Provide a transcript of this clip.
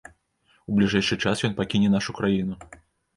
У бліжэйшы час ён пакіне нашу краіну.